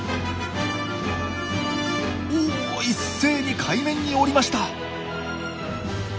おっ一斉に海面に降りました。